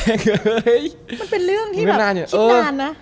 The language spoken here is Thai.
มันเป็นเรื่องที่คิดนานนะ